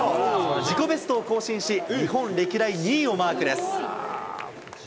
自己ベストを更新し、日本歴代２位をマークです。